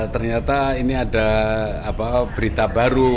ternyata ini ada berita baru